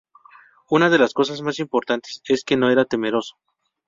Una de las cosas más importantes es que no era temeroso.